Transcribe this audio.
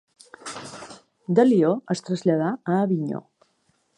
De Lió es traslladà a Avinyó.